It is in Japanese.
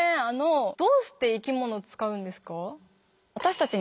あのどうして生き物使うんですか？